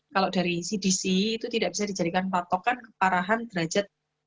kalau dari cdc itu tidak bisa dijadikan patokan keparahan derajat